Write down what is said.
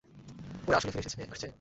ওটা আসলেই ফিরে আসছে!